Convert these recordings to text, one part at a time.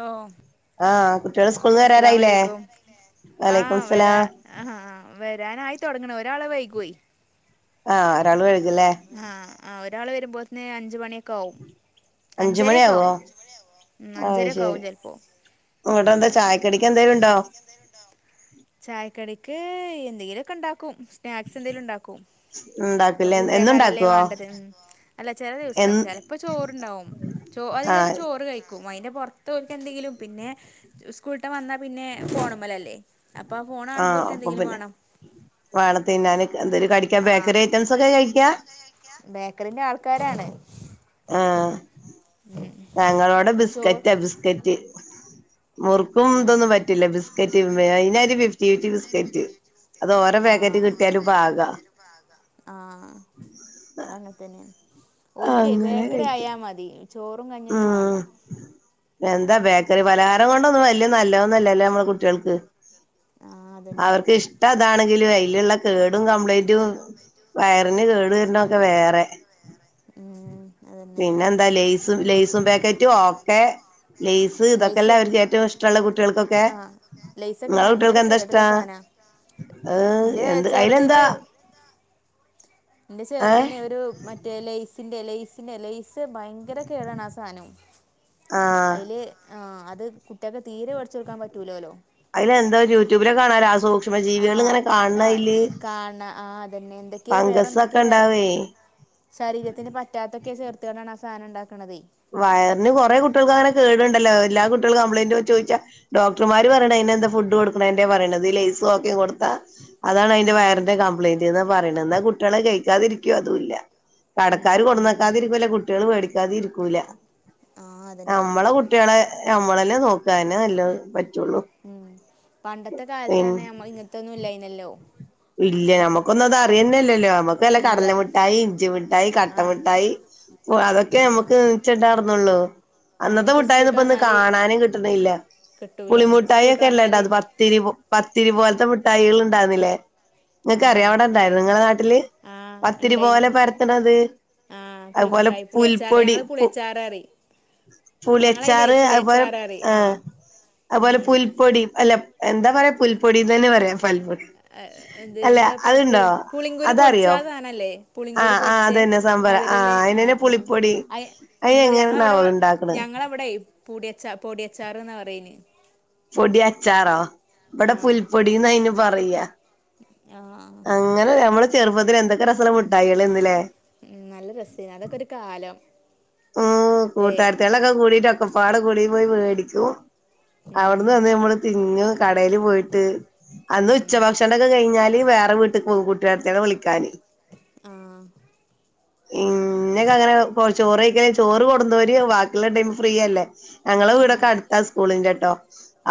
ഓ ആഹ് കുട്ടികള് സ്കൂളന്ന് വരാറായില്ലേ വലൈക്കും ആഹ് വരാ സ്ലാം ആ വരാനായി തുൊടങ്ങണ ഒരാള്െ വൈകയി ആഹ് ഒരാൾ വൈകു അഞ്ച മണിയൊക്കെ ആവും അഞ്ചരൊക്കെ ആും അയ്ഷ്രി ഇങ്ങോട്ട എന്താ ചായക്കടക്ക് എന്തേലും ഉണ്ടോ ചായക്കടിക്ക് എന്തെങ്കിലുമൊക്കെ ഇണ്ടാക്കും സ്നാക്സ് എന്തെങ്കിലും ഉണ്ടാക്കും ഇപ്പൊ ഉണ്ടാക്കില്ലേ എന്നും കൂട്ടിയക്കെ അതല്ലേ ഉണ്ടാക്കുവോ വേണ്ടത് ഉ അല്ല ചില എ ദിവസം ചെപ്പോ ചോറണ്ടാവും ചോ അധികം ഒരു ആഹ് ചോറ് കഴിക്കും. അതിന്റെ പുറത്ത പോക്ക് എന്തെങ്കിലും പിന്നെ സ്കൂളിട്ട വന്നാൽ പിന്നെ ഫോൺമ്മേലല്ലേ. ആഹ് അപ്പൊ പിന്നെ വാഴത്തി ന്നൻ എന്തായും കടിക്കാൻ ആഹ് ബേക്കറി ഐറ്റംസ്. ഒക്കെ കഴിക്കാ ബേക്കറിന്റെ ആൾക്കാരാണ്. ആഹ് ഞങ്ങളോട ചോ ബിസ്കറ്റാ ബിസ്കറ്റ്. മുറുക്കും ആഹ് ഇതൊന്നും പറ്റില്ല. ബിസ്ക്കറ്റ് ഇതിനര് ഫിഫ്റ്റി ഫിഫ്റ്റി ബിസ്കറ്റ്. അത്ഓരോ പേക്കറ്റ് ആഹ് കിട്ടിയാലും പാക. ഒൽക്കെയ് ബേക്കറി ആയാ മതി. ചോറും കഞ്ഞൊന്നും വേണ്ട. ഉം എന്താ ബേക്കറി പലഹാരം കൊണ്ടൊന്നും വല്ല്യ നല്ലതോന്നല്ലല്ലോ നമ്മെള കുട്ടേൾക്ക്. ആഹ് അതന്നെ അവർക്ക് ഇഷ്ട [inaudible] എന്താണെങ്കിലും അതില് [inaudible] കേടും കംപ്ലീന്റ വയറിന് കേട് വരുന്ന ഒക്കെ വേറെ. ഉം അതന്നെ. ലൈസും പാക്കറ്റും ഓക്കെ ലെയിസ് തൊക്കല്ലെ ലൈസ് അവർക്ക് ഏറ്റവും ഇഷ്ടോള്ള കുട്ടികൾക്കൊക്കെ ആഹ് ലൈസൊക്കെ നിങ്ങളെ ഭയങ്കര കുട്ടികൾക്ക് എന്താ കേടുള്ള ഇഷ്ടം? സാധനാ അ് ഇന്റെ എന്ത് അയിലെന്താ ചെറുതിന് എന്റെ ഏഹ് ചേർതിനെ ഒരു മറ്റേ ലൈസിന്റെ ലൈസിന്റെ ലൈസ് ഭയങ്കര കേടാണ് ആ സധനവും ആഹ് അയില് അത് മറ്റൊക്കെ തീരെ വേടിച്ചൊടുക്കാൻ പറ്റൂലല്ലോ. അയിലെന്തോ യൂട്യൂബിലൊക്കെ കാണാലോ ആ സൂക്ഷ്മ ആ ജീവികൾ ഇങ്ങനെ കാണണ ആ അയില് കാണ ആ അതന്നെ എന്തൊക്കെ വേറെ ഫംഗസൊക്കെ എന്തൊക്കെ ഉണ്ടാവേ ശരീരത്തിന് പറ്റാത്തൊക്കെ ചേർത്തോണ്ടാണ് ആ സാധനം ഉണ്ടാക്കണത്. വയറിന് കുറെ കുട്ടികൾക്ക് അങ്ങനെ കേടുണ്ടലോ എല്ലാ കുട്ടികളും കംപ്ലയിന്റ് വെച്ച് ചോദിച്ചാ ഡോക്ടർമാര് പറീണ് പിന്നെ എന്താ ഫുഡ് കൊടുക്കണേന്റെ പറയണത് ഈ ലൈസോ ഒക്കെ കൊടുത്താ അതാണ് അതിന്റെ ആഹ് വയറിന്റെ കംപ്ലയിന്റ്ന്ന് പറീണ് ന്നാ കുട്ടികള് അത് കഴിക്കാതിരിക്കോ അതും ഇല്ല. ഇല്ല കടക്കാര് ഉം കൊട്ന്നേക്കാതിരിക്കില്ല കുട്ടികള് മേടിക്കാതിരിക്കൂല ക്കൂല്ല ആഹ് അതന്നെ നമ്മള കുട്ടികളെ നമ്മളന്നെ നോക്ക. പണ്ടത്തെ പിന്നെ കാലത്തന്ന ഇങ്ങനത്തോന്നും ഇല്ലായിന്നല്ലോ? ഇല്ല നമുക്കൊന്നും അത് അറിയന്നെല്ലലോ? നമക്ക് നല്ല ഇല്ല കടലമിഠായി ഇഞ്ചിമിഠായി ആഹ് കട്ടമിഠായി അതൊക്കെ ആഹ് നമുക്ക് ച്ച ട ന്നുള്ളൂ ആഹ് അന്നത്തെ ഇനിയിപ്പോ മുട്ടായൊന്നും സ്കൂൾട്ട് ഇപ്പൊ ഇന്ന് വന്നാല് കാണാനെ കിട്ടണില്ല കിട്ടൂല പുളിമുട്ടായി സ്കൂൾട്ട് ഒക്കെ എല്ലാം വന്നാല് ഇണ്ടായിന് പത്തിരി പത്തിരി പോലത്തെ മുട്ടായികൾ ഇണ്ടാര്ന്നില്ലേ ഇങ്ങക്ക് അറിയോ ആഹ് അവിടെ ഉണ്ടായി ഉണ്ടായിരുന്നോ ഇങ്ങളെ നാട്ടില് ആഹ് ഉണ്ടായിനു പത്തിരിപോലെ പരത്ത്ണത് ആഹ് പുളിമുട്ടായി പുളി ഞങ്ങള് പു പുളിയച്ചാർഅറിം ഞങ്ങൾ അയ്ൻ പുളിയച്ചാറ് അതുപോലെ പുളിയച്ചാർനറിം ആഹ് അതുപോലെ പുൽപൊടി അല്ല എന്താ പറയാ പുൽപ്പൊടി തന്നെ പറയാ എത് അല്ല എന്താ ഇപ്പൊ അതുണ്ടോ പുളി പുളിങ്കൂരു അതറിയോ പൊടിച്ചാസാനല്ലേ ആഹ് ആ അതന്നെ സംഭരം ആഹ് ആ അയിനെന്നെ ആ പുളിപ്പൊടി അയിൻ എങ്ങനെനാവോ അത് ഇണ്ടാക്ക്ണെ ങ്ങള്ളവിടെ പൊടിയച്ചാ പൊടിയച്ചാർന്നാ പറയ്ന് പൊടി അച്ചാറോ ഇവിടെ പുൽപ്പൊടിന്നയിന് പറയാ ആ അങ്ങനെ ഞമ്മള് ചെറുപ്പത്തിൽ എന്തൊക്കെ രസള്ളെ ഉം നല്ല രസേന് അതൊക്കെ ഒരു കാലം ഉം ല്ലേ കൂട്ടാരത്തിളൊക്കെകൂടിട്ട് ഒക്കെപ്പാടെ കൂടി പോയി മേടിക്കും. ഉം അവിടന്ന് വന്ന് ഞമ്മള് തിന്നും കടെല് പോയിട്ട് അന്ന് ഉം ഉച്ചഭക്ഷണോക്കെ കഴിഞ്ഞാല് വീട്ട്ക്ക് പോവും കൂട്ടാരതിയേളെ വിളിക്കാന് ആ ഇന്നേ ഒക്കെ അങ്ങനെ [unintelligible] ചോറ് കൊടുന്നോർ വാക്കിള്ളെ ടൈം ഫ്രീ അല്ലേ ഞങ്ങളെ ആ വീടൊക്കെ അടുത്ത സ്കൂളിന്റെട്ടോ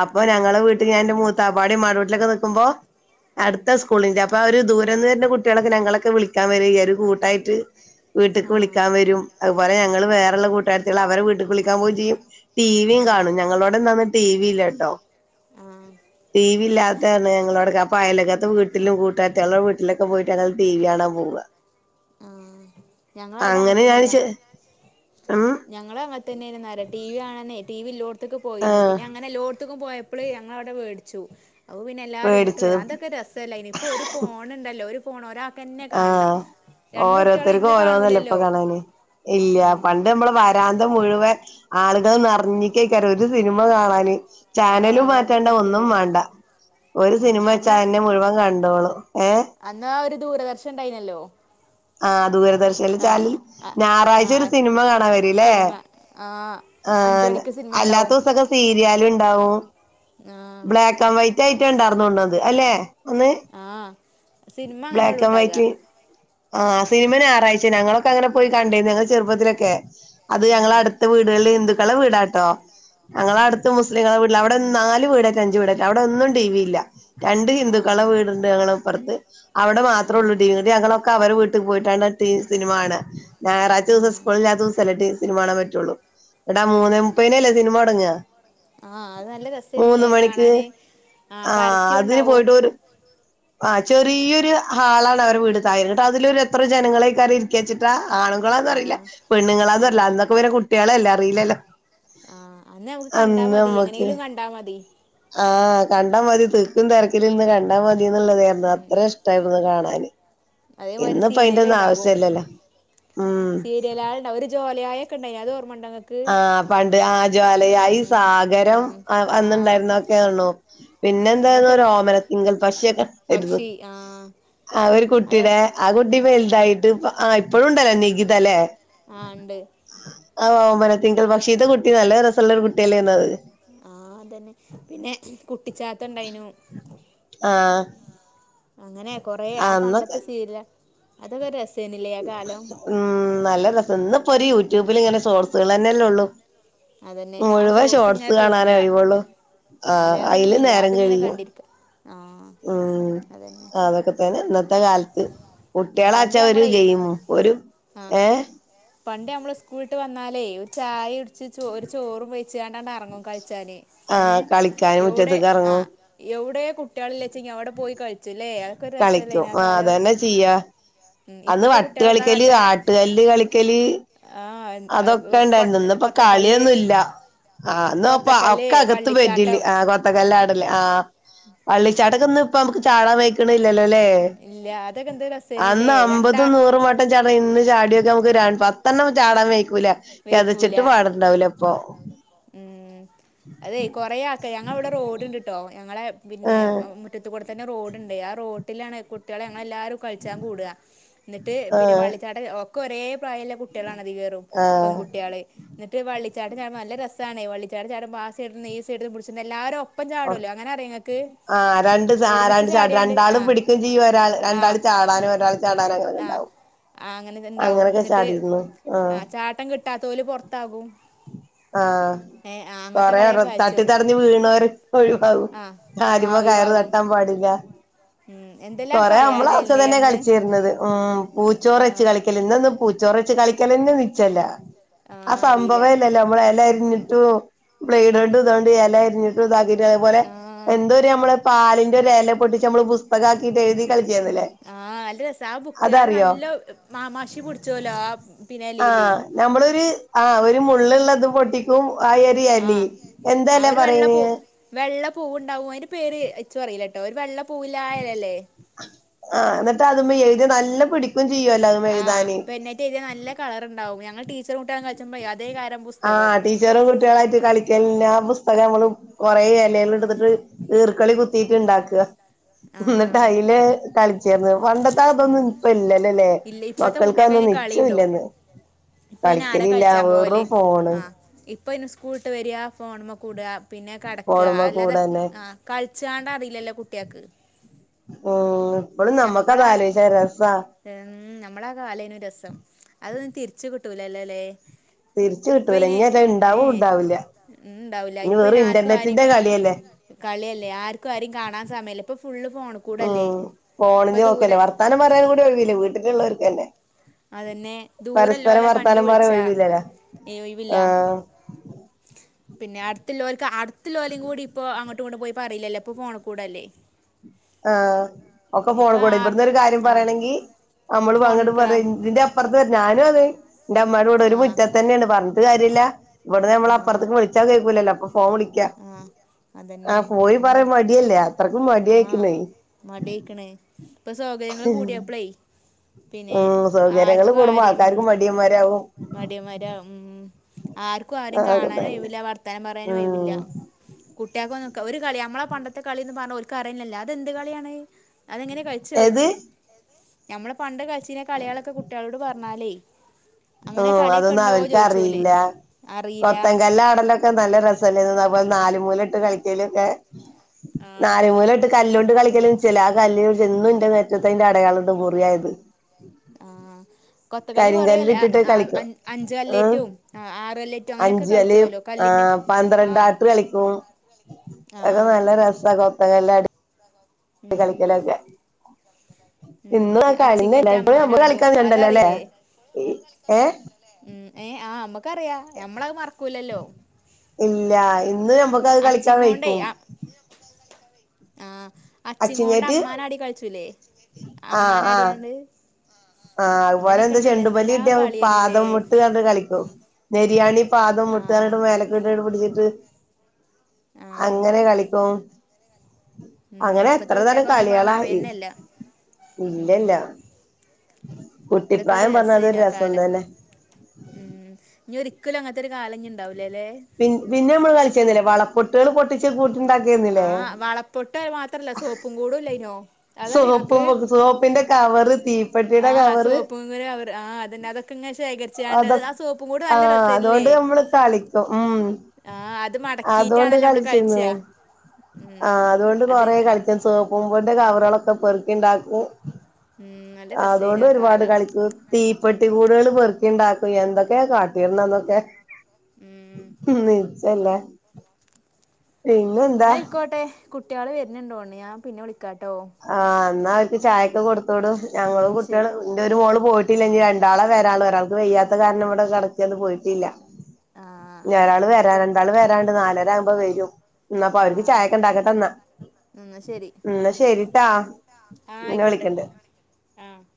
അപ്പൊ ആ ഞങ്ങളെ വീട്ട് ഞാൻ ന്റെ മൂത്താപ്പാടി മ്മാന്റെ കുടീലൊക്കെ ക്കുമ്പോ ഉം അടുത്ത സ്കൂളിന്റെ അപ്പൊ ദൂരന്ന് വരുന്ന കുട്ട്യോളൊക്കെ ഞങ്ങളൊക്കെ വിളിക്കാൻ വരും ഒരു കൂട്ടായിട്ട് വീട്ടേക്ക് ആ വിളിക്കാൻ വരും. അതുപോലെ ഞങ്ങള് വേറെള്ള കൂട്ടാരത്യാളെ അവരെ വീട്ട്ക്ക് വിളിക്കാൻ പോകും ചെയ്യും ടിവിയും ആ കാണും ഞങ്ങളോടെന്താന്ന് ടി വി ഇല്ല ട്ടൊ ആ ടി വി ഇല്ലാത്തേഅർഞ്ഞ ഞങ്ങളട അപ്പ അയ്ലോകത്തെ വീട്ടിലും കൂട്ടാരത്തികളെ വീട്ടിലൊക്കെ പോയിട്ടാ ഞങ്ങൾ ടി വി കാണാൻ പോവ ആ ഞങ്ങളവിടെ അങ്ങനെ ഞാൻ അങ്ങൻതന്നെനാ ഉം ഞങ്ങളും അങ്ങനത്തെന്നെ [unintelligible] ടി വി കാണാനേ ടി വി ഇല്ലോടത്ത്ക്ക് പോയിനു ആഹ് പിന്നെ അങ്ങനെല്ലോട്ത്ക്കും പോയ ഞങ്ങളവിടെ വേടിച്ചു അപ്പൊ പിന്നെ എല്ലാരും ഇങ്ങട്ട് വരാ പേടിച്ചത് അതൊക്കെ രസല്ലേ അയ്ൻ ഇപ്പൊ ഒരു ഫോണ്ണ്ടല്ലോ ഒരാക്കെന്നെ കാണണം ആഹ് രണ്ടുട്ടികളും ഓരോരുത്തർക്കും ഇര്ന്ന് ഓരോന്നല്ലേ ഇപ്പൊ കാണൂലല്ലോ കാണാന് ഇല്ല ആഹ് പണ്ട് നമ്മള് വരാന്ത മുഴുവൻ ആളുകൾ നിറഞ്ഞിക്കെയ്ക്കാരം ഒരു സിനിമ കാണാന് ആ ചാനലും നല്ല മാറ്റേണ്ട ഒന്നും രസല്ലേ വേണ്ട ഒരു ആ സിനിമ വെച്ചാ അന്ന് അതെന്നെ മുഴുവൻ കണ്ടോളും എ അന്ന് ആ ഒരു ദൂരദർശൻ ഉണ്ടായിനല്ലോ ആഹ് ദൂര ദർശനിൽ ആ ചാനലിൽ ആ ഞായറാഴ്ച ആ ഒരു സിനിമ കാണാൻ വെരുല്ലേ സിനിമ ആ ആ അഞ്ച് മണിക്ക് സിനിമ അല്ലാത്ത ഉണ്ടാവും ദിവസൊക്കെ സീരിയാലണ്ട് ഉണ്ടാവും ആ ബ്ലാക്ക് ആൻഡ് വൈറ്റ് ആയിട്ട് ഉണ്ടായിന്നോണ്ടത് അല്ലെ അന്ന് ആഹ സിനിമ അങ്ങനെയെള്ളു ഇണ്ടാക ആ് സിനിമ ഞായർ ആയിച്ചെ ഞങ്ങളൊക്കെ അങ്ങനെ പോയി കണ്ടിരുന്നു ഞങ്ങൾ ചെറുപ്പത്തിലൊക്കെ അത് ഞങ്ങള ആഹ് അടുത്ത വീടുകളിൽ ഹിന്ദുക്കളെ വീടാട്ടോ ഞങ്ങള ഉം അടുത്ത് മുസ്ലിങ്ങളെ വീട് അവിടെ നാല് വീടാറ്റ അഞ്ച വീട അവിടെ ഒന്നും ടി വി ഇല്ല രണ്ട് ആ ഹിന്ദുക്കളെ വീടുണ്ട് ഞങ്ങളെപ്പുറത്ത് അവിടെ ആ മാത്രേള്ളൂ ടീവി ഇങ്ങട്ട് ഞങ്ങൾ ഒക്കെ അവരെ വീട്ട്ക്ക് പോയിട്ടാണ് ടി സിനിമ കാണ്അ ഞായറാഴച ആ ദിവസം സ്കൂളില്ലാത ദിവസല്ലേ ടി സിനിമ കാണാൻ പറ്റുള്ളു എന്നിട്ട് മൂന്നെ മുപ്പതിനല്ലേ സിനിമ തൊടങ്ങ ആഹ അത് നല്ല രസേനല്ലേ മണിക്ക് കാണാന് ആ ആഹ് അതിന് പരസ്യോണ്ടാകു പോയിട്ട് ഒരു ആ ചെറിയൊരു ഹാളാണ് അവർ വീടത്തായി [unintelligible] ങ്ങട്ട് അതിലൊര് എത്ര ജനങ്ങള് എയ്കാരം ഇരിക്ക വെച്ചിട്ട ആ ആണുങ്ങളാന്നറിയില്ല ആ പെണ്ണുങ്ങളാന്നറയില്ല അന്നൊക്കെ വരെ കുട്ടികളല്ലേ അറിയില്ലല്ലോ ആഹ അന്ന് നമുക്ക് കണ്ടാ അന്ന് മതി നമ്മക്ക് എങ്ങനെങ്കിലും കണ്ടാ മതി ആഹ് കണ്ടാ മതി തിക്കും തിരക്കിലന്ന് കണ്ടാ മതി എന്നുള്ളതായിരുന്നു അത്ര ഇഷ്ടായിരുന്നു കാണാൻ [unintelligible] അതേമാരി സീരിയൽ ഉണ്ടകും ഉം സീരിയല [unintelligible] ജോല ആയക്കണ്ടായി അത് ഓർമ്മ ഉണ്ടോ നിങ്ങൾക്ക് ആഹ പണ്ട് ആ ജ്വാലയായി സാഗരം ആ വന്നണ്ടായിരുന്നൊക്കെ ആണു പിന്നെ അതൊക്കെ എന്തായിരുന്നു ഓമനത്തിങ്കൽ പക്ഷിയൊക്കെ ഉണ്ടായിരുന്നു പക്ഷി ആ ആ ഒരു അതെ കുട്ടിയുടെ ആ കുട്ടി വലുതായിട്ട് ആ ഇപ്പഴും ഉണ്ടല്ലോ നികുത അല്ലേ ആ ഉണ്ട് തിങ്കൽ പക്ഷീ ഇത്തെ കുട്ടി നല്ല രസമുള്ളൊരു കുട്ടിയല്ലേത് ആഹ അതന്നെ പിന്നെ കുട്ടിച്ചത്ത ഉണ്ടായിനു ആഹ് അങ്ങനെ കൊറ ആ അന്ന് പണ്ടത്തെ ശീല അതൊക്കെ രസ ഉം നല്ല രസ ഇന്നിപ്പോ ഒരു യൂട്യൂബിൽ ഇങ്ങനെ സോഴ്സുകൾ തന്നെല്ലേ ഉള്ളു അതന്നെ ആ മുഴുവൻ ഇങ്ങനെ ഷോർട്സ് തോണ്ട കാണാനേ ആഴവോള്ളൂ ആ അല് വേറൊന്നുല്ല നേരം അതിങ്ങനെ കഴിയും കണ്ടിരിക്ക ആ ഉം അതന്നെ ആതക്കത്തനെ ഇത്തെ കാലത്ത് ഉം പണ്ട് കുട്ടികളാച്ചാ ഒരു നമ്മളെ ഗെയിമ ഒരു ഏ പണ്ടി നമ്മള് സ്കൂളിട്ട് വന്നാലേ ചായ ഇടിച്ച് ച ഒരു ചോറും വേിച്ച കണ്ടാണ്ട് ഇറങ്ങും കഴ ശരി ഏ ആഹ് കളിക്കാന് എവിടെ മുറ്റത്ത്ക്ക് ആ എറങ്ങും എവിടെ കുട്ടികളില്ലച്ച അവിടെ പോയി കഴിളി ചു ല്ലേ അതൊക്കെ ഒരു രസല്ല ഇതിന അ തന്നെ ചെയ്യ അന്ന് ഇപ്പത്തെ വട്ട് കുട്ടികളെന്താ കളിക്കല് കാട്ടാ ആട്ടുകല്ല് കളിക്കല് ആ അതൊക്കെ കൊ കൊത്തക്കല് ആ എന്നന്നപ്പ ഒക്കെ അകത്ത് പറ്റില്ല ആ കൊത്ത കല്ലടില് ആ വള്ളിച്ചാട്ടക്കൊ ഒന്ന ഇപ്പ നമുക്ക് ചാടാൻ വക്കണുന്നില്ല ഇല്ല അതൊക്കെ എന്ത് [unintelligible] അന്ന് രസേനുല്ലേ രണ്ടാ അമ്പതും നൂറും വട്ടം ചാട ഇന്ന് ചാടിയൊക്കെ നമുക്ക് രണ്ട് പത്തെണ്ണം ചാടാൻ വേിക്കൂല വെയ്ക്കൂല കെതച്ചിട്ട് പാടണ്ടാവലപ്പൊ ഉം അതെ കൊറെ ആക്ക ഞങ്ങള ഇവിടെ റോഡ്ണ്ട്ട്ടോ ഞങ്ങളെ പിന്നെ ആഹ് മുറ്റത്ത കൂടെ തന്നെ റോഡുണ്ട് ആ റോഡിലാണ് കുട്ടികളെ അന എല്ലാവരും കളിച്ചൻ കൂടുക എന്നിട്ട് പിന്നെ ആഹ് വള്ളത്താട്ട ഒക്കെ ഒരേ പ്രായല്ല കുട്ടികളാണ് അത് വറും ആഹ് പെൺകട്ടികള് എന്നിട്ട് വ ചട്ട ചാട നല്ല രസമാണ് വള്ളിച്ച ചാ ചാമ്പ ആ സ ഈ സഡന്ന്ടിച്ചട്ടണ്ട് എല്ലാരും ഒപ്പ ചാടുല്ലോ അനെ അ ആ രണ്ട് ആ രണ്ട്ച ചാടിയാണ്ട് ആ രണ്ടാളും പിടിക്കയും ചെയ്യും ഒരാൾ ആ രണ്ടാ ചാടാനും ഒരാൾ ചാടാന [unintelligible] ആഹ് ണ്ടാവും ആഹ് അങ്ങനെ ഇണ്ടാവും അങ്ങനൊക്കെ എന്നിട്ട് ചാടിരുന്നു ആഹ ആഹ് ചാട്ടം കിട്ടാത്ത പോല പൊറത്താകും ആഹ ഏഹ് ആഹ് അങ്ങനത്തെ കൊറെ കളിയൊക്കെ തട്ടി കളിച്ചും തടഞ്ഞ് വീണവർ ഒഴിവാകും ആഹ് കാര്മ ആഹ് കയറി ഒഴിവാകും തട്ടാൻ പാടില്ല ഉം എന്തെല്ലാം കൊറെേ നമ്മൾ അവക്ക കളിയാണല്ലേ തന്നെ അന്ന് കളിച്ച തരുന്നത് ഉ പൂച്ചോറ് വച്ച് ആഹ് കളിക്കല ഇന്ന ഒന്ന് പൂച്ചോറ് കളിക്കലേന്നെ നിച്ചല്ല ആ അറീ പൊവലില്ലല്ലോ നമ്മള് എലരിഞ്ഞിട്ടും ബ്ലേഡോണ്ടും ഇതൊണ്ടും എലരി ട്ടുംഇതാക്കിട്ടും അതേപോലെ ആഹ് എന്തോര് നമ്മള് പാലിന്റോര് എല പൊട്ടിച്ച് നമ്മള് പുസ്തക ആക്കിട്ട് എഴ്തി കളി ചെയ്ത് ലെ ആ നല്ല രസാ ആ ബുക്ക് അത് നല്ല മാ മഷി പിടിച്ചോല്ലോ ആ പിന്നെ എലീല് ഒര് ഒരു മുള്ളുള്ളത് പൊട്ടിക്കും ആ ഒരു എലിം ആഹ് എന്താ ആ എല ഒരു വെള്ള പൂ പറയണ് വെള്ള പൂവണ്ടാവും അയിന്റെ പേര് ഇച്ചു അറീല ഒര് വെള്ള പൂവില്ല ആ എലല്ലേ ആ ന്നിട്ട് അത് മ്മേ എഴ്തിയാ നല്ല പിടിക്കും ചെയ്യുവല്ലോ അതുമ്മെ ആഹ് എഴുതാന് പേന്നായിട്ട് എഴുതിയാ നല്ല കളർണ്ടാവും ഞങ്ങൾ ടീച്ചറും കുട്ട്യാളും കളിച്ചുമ്പേ അ ആഹ് ടീച്ചറും കുട്ട്യാളു ആയിട്ട് കളിക്കല്ന് ആ പുസ്തകമ്മള് കൊറെ എലേല്ട്ത്ത്ട്ട് ഈർക്ക്ളി കുത്തീട്ട്ണ്ടാക്ക ആഹ് എന്നിട്ടൈയില് കളിച്ചർന്ന് ന പണ്ടത്തെ അതൊന്നും ഉം ഇപ്പ ഇല്ലല്ലല്ലേ ഇല്ല ഇപ്പത്തെ മക്കൾക്ക് കുട്ടികൾക്ക് അതോന്നും അയിന് കളിയുണ്ടോ നിച്ചുല്ലന്ന് ഇപ്പൊ അയിന് ആരാ കളിക്കലില്ല വേറും ഫോണ് ഇപ്പയിന് സ്കൂള്ട്ട് വരാ ഫോൺമ്മ കൂടാ പിന്നെ കടക്ക ഫോണുമ്മെ അല്ലാതെ കൂടെന്നെ ആ കള് ച്ചാനറീല്ലല്ലോ കുട്ട്യാക്ക് ആ നമ്മളെ ഉം നമ്മളെ ആ കാലേന്നു രസം അതൊന്ന് തിരിച്ച് കി ട്ടൂലല്ലോ ലെ തിരിച്ച് കിട്ടൂല ഇനിയേറ്റെ ഇണ്ടാവും ഇണ്ടാവൂല ഉണ്ടാവൂല ഇനി ഇപ്പ അയിന് വെറും ആർക്കും ആരിം ഇന്റർനെറ്റിന്റെ കളില്ലേ കളിയല്ലേ ആർക്കും ആരും കാണാൻ സമയല്ലേ ഇപ്പൊ ഫുള്ള് ഫോൺ കൂടല്ലേ ഉം ഇപ്പൊ ഫോണില് ദൂരെ നോക്കല്ലേ വർത്താനം പറയാൻ കൂടിം ഒഴിവില്ല വീട്ടിലുള്ളോർക്കന്നേ അതെന്നെ ദൂരല്ലോലെ കണ്ട് വർത്താനം പറയാൻ വിള്ച്ചാ ഒഴിവില്ലല്ലോ ഏ ഒയിവില്ല ആഹ് ഞ്ഞ്ൽ പിന്നെ അടുത്ത്ല്ലോല്ക്ക് അട്ത്ത്ല്ലോലികൂടിം ഇപ്പൊ അങ്ങോട്ടു ഇങ്ങോട്ടും പോയി പറയില്ലല്ലോ ഇപ്പൊ ഫോണ് കൂടല്ലേ ആ ഒക്കെ ഇപ്പൊ ഫോൺകൂടെ ആ ഇവിടന്ന് ഒരു കാര്യം ആ പറയണെങ്കി ഫോൺ നമ്മള്പ്പങ്ങട്ട് എടുക്കടാ പറി ഇന്റെ അപ്പറത്ത് ഞാനും അതെ എന്റെ അമ്മയുടെ കൂടെ ഒരു ആ മുറ്റത്തന്നേയാണ് പറഞ്ഞ്ട്ട് കാര്യല്ല ഇവിടെ നമ്മള് ആ അപ്പറ്ത്ത്ക്ക് വിളിച്ചാ കേക്കൂലല്ലോ ഫോൺ വിളിക്ക ആ ആ അതന്നെ പോയി അങ്ങനെ പറയാ മടിയല്ലേ അത്രയ്ക്കും മട്യായി ആ മട്യായിക്ക്ണ് ഇപ്പൊ സൗകര്യങ്ങള് കൂടിയാപ്പളെ ഉം സൗകര്യങ്ങള് കൂടുമ്പോ ഉം, ആൾക്കാർക്കും മടിയന്മാരകും മടിയന്മാരാ ഉം. ആർക്കും ആരും കാണാനും ഒഴിവില്ലാ വർത്താനം പറയാനും ഒഴിവില്ല ഉം കുട്ട്യാക്കോന്ന് ഒരു കളി നമ്മളെ പണ്ടത്തെ കളിന്ന് പറഞ്ഞ ഓല്ക്ക് അറിയന്നേല്ലാ അതെന്ത് കളിയാണെ അതെങ്ങനെ ഏത് കളിച്ചായിച്ചു ഞമ്മള് പണ്ട് കളിച്ചീന കളിളോക്കെ കുട്ടിളോട് പറഞ്ഞാലേ ആ അങ്ങനെ കളിയൊക്കെ അതൊന്നും ഉണ്ടോ ചോദിച്ചു പോലെ അവർക്ക്റിയില്ല അറിയില്ല കൊത്തൻങ്കല്ലാടല്ലൊക്കെ നല്ല രസല്ലേന്നൊ ന നാല് മൂലട്ട് കളിക്കാലൊക്കെ ആ നാല് മൂലട്ട് കല്ലോ കളിക്കലും ചെല ആ കല്ല്നെകുറിച്ച് ഇന്നുന്റെ മേത്ത്ത്തയിന്റെ അടയാളണ്ട് മുറിയായത് ആ കൊത്തക്കല്ല് കരിങ്കല്ല് കുറെല്ലേ ആ ഇട്ടിട്ട് ആ കളിക്കും അഞ്ച് ഏഹ് കല്ലേറ്റും ആറുകല്ലേറ്റും അങ്ങനോക്കെ കള്ച്ചോല്ലോ കല്ല് ആ പന്ത്രണ്ടാട്ട് കളിക്കും ഒക്കെ ആഹ് നല്ല രസ കൊത്തകല്ലാടി ഉം കളിക്കലൊക്കെ ഉം ഇന്ന് ആ പി കളിന്നില്ല അച്ചിങ്ങേറ്റി ഇപ്പഴും നമ്മള് അമ്മാനാടും കളിക്കാൻ ചെണ്ടല്ലോ അല്ലേ അതേറില്ലേ ഏഹ് ഉം ഏ ആ മ്മ നക്കറിയാ ഞമ്മളത് മറക്കൂലല്ലോ ഇല്ല ഇന്ന് നമ്മക്കത് കളിക്കാൻ വെയ്ക്കും ആ അച്ചിങ്ങോട് അച്ചിങ്ങേറ്റ് അമ്മാനാടി കളിച്ചുല്ലേ അമ്മാനാടിയാണ്ട് ആ അഹ്പോലെ അങ്ങനെയൊക്കെ ന്ത്‌ ഉണ്ടല്ലോ എന്തെല്ലാം ചെണ്ടുമല്ലിട്ടിയ കളിയേനുല്ലേ പാദംമുട്ട് കണ്ട് കളിക്കും നെരിയാണി പാദം ആഹ് മുട്ടാനായിട്ട് മേലക് ഇട്ട് പിടിച്ചിട്ട് ആഹ് അങ്ങനെ കളിക്കും ഉം അങ്ങനെ ഇപ്പത്തെ എത്ര തരം കുട്ടിയക്കെ ആന്നും പറഞ്ഞ കളികളാ അറിയുന്നല്ല ഇല്ലല്ല ഉം അതൊക്കെ ഒരു കുട്ടിപ്രായം പറഞ്ഞ രസേന അതൊരു ആ രസം കാലം തന്നെ ഉം ഇനി ഒരിക്കലും അങ്ങനൊതൊരു കാലം ഇനിണ്ടാവില്ല പി പിന്നെ നമ്മള് കളിചേ രുന്നില്ലേ വളപ്പൊട്ടുകൾ പൊട്ടിച്ചു കൂട്ടുണ്ടാക്കിരുന്നില്ലേ ട്ടമാത്രല്ല സോപ്പും കൂടുമില്ലെയിന്നോ അതറിയ്യോ ഇങ്ങക്ക് സോപ്പും സോപ്പിന്റെ കവറ് ആ തീപ്പെട്ടിയുടെ ആ കവറ് സോപ്പുംങ്ങ അവര് ആ അതെന്നെ അതൊക്കെ ഇങ്ങനെ അതൊ ശേഖരിച്ചാണ്ട്ത് ആ സോപ്പും കൂടു നല്ല രസയില്ലേ കിട്ടും ഉം ആഅത് മടക്കിട്ടാണല്ലേ മ്മള് കളിച്ചാ ആ ഉം അതുകൊണ്ട് അത് കൊറെ അ- കളിച്ചൻ സേപ്പുംന്റെ കവറുകളൊക്കെ പെറുക്കി ണ്ടാക്കും ഉം നല്ല രസേനു അതുകൊണ്ട് ആ ഒരുപാട് കാലം കളിച്ചു തീപ്പെട്ടി കൂടുകള് പെറുക്കി ണ്ടാക്കും എന്തൊക്കെയ കാട്ടിരുന്നന്നൊ ക്കെ ഉം മെന്നു അല്ല എന്നാ യ്യിക്കോട്ടെ കുട്ട്യോള് വരുനുടോണ്ടു ഞാൻ പിന്നെ വിളി ആ എന്നാവർക്ക് ചായൊക്കെ കൊടുത്തോടുംഞങ്ങളും ഉം കുട്ട്യോളും ശരി ന്റെ രു മോള് പോയിട്ട ട്ടില്ല നി രണ്ടാളാ വരാളു ഒരാൾക്ക് വെയ്യാത്ത കാരണം ഇവിടെ കടക്കൊന്നും പോയിട്ടില്ല ആ ഞരാള് വരാ എന്നായിക്കോട്ടെ രണ്ടാള് വരാണ്ട് നാലരാവുമ്പോ വെരും എന്നാ പ്പോ അവർക്ക് ആ ചായ്യൊക്കെ ണ്ടാക്കട്ടെന്നാ എന്നാ ശരി ന്നാ ശരി ആ ആ ന്നെ ആയിക്കോട്ടെ വിളിക്കണ്ട് ആ